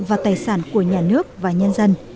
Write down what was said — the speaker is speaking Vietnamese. và tài sản của nhà nước và nhân dân